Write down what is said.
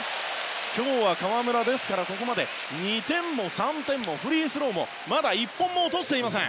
今日は、河村ここまで２点も３点もフリースローもまだ１本も落としていません。